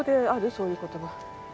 そういう言葉。